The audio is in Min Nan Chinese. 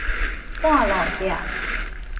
半路店